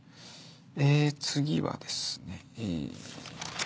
え次はですねえ。